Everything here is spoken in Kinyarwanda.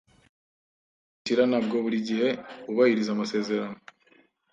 Abimukira ntabwo buri gihe bubahiriza amasezerano.